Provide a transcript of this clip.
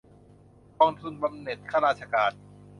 กองทุนบำเหน็จบำนาญข้าราชการ